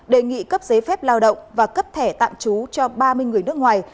đề nghị cấp giấy phép lao động và cấp thẻ tạm trú cho ba mươi người nước ngoài